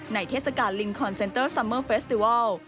เทศกาลลิงคอนเซนเตอร์ซัมเมอร์เฟสติวัล